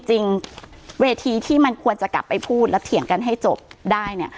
จริงเวทีที่มันควรจะกลับไปพูดและเถียงกันให้จบได้เนี่ย